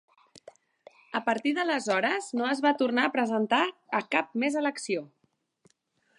A partir d'aleshores no es va tornar a presentar a cap més elecció.